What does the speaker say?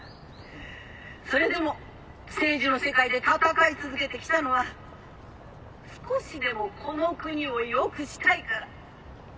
それでも政治の世界で闘い続けてきたのは少しでもこの国を良くしたいから。